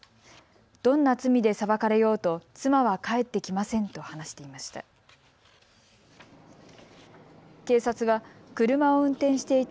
どんな罪で裁かれようと妻は帰ってきませんと話していました。